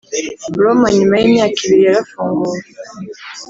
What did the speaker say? Roma Nyuma y imyaka ibiri yarafunguwe.